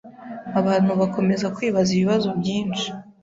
abantu bakomeza kwibaza ibibazo byinshi